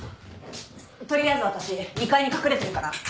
取りあえず私２階に隠れてるから